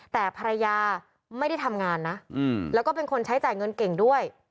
แต่ภรรยาไม่ได้ทำงานนะแล้วก็เป็นคนใช้จ่ายเงินเก่งด้วย